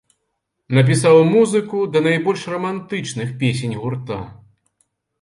Напісаў музыку да найбольш рамантычных песень гурта.